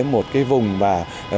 một cái vùng mà